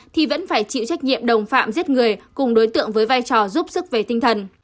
thì vẫn phải chịu trách nhiệm đồng phạm giết người cùng đối tượng với vai trò giúp sức về tinh thần